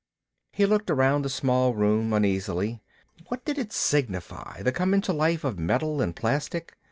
He looked around the small room uneasily. What did it signify, the coming to life of metal and plastic?